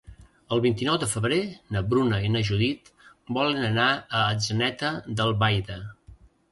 El vint-i-nou de febrer na Bruna i na Judit volen anar a Atzeneta d'Albaida.